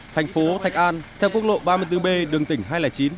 thành phố thạch an theo quốc lộ ba mươi bốn b đường tỉnh hai trăm linh chín